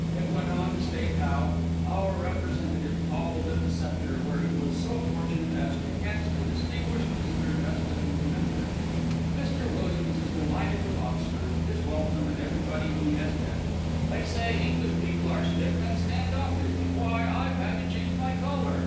It went on to state how "our representative called at the Sceptre, where he was so fortunate as to catch the distinguished visitor just as he was entering. Mr. Williams is delighted with Oxford, his welcome, and everybody he has met. 'They say English people are stiff and stand offish why, I've had to change my collar.